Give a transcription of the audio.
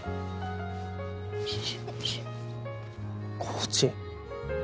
コーチ！